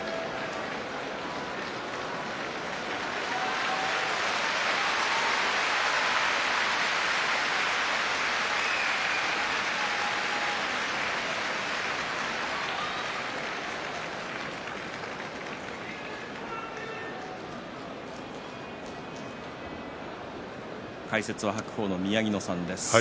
拍手解説は白鵬の宮城野さんです。